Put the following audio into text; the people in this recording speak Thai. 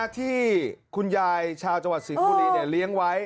ที่คุณยายชาวจังหวัดสิงห์บุรีเลี้ยงไว้